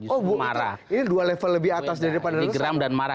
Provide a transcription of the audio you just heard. oh ini dua level lebih atas daripada resah